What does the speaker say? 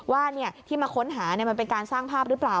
ว่าที่มาค้นหามันเป็นการสร้างภาพหรือเปล่า